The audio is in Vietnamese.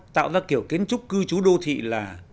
tạo ra kiểu kiến trúc cư trú đô thị là